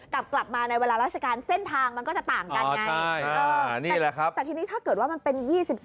กับกลับมาในเวลาราชการเส้นทางมันก็จะต่างกัน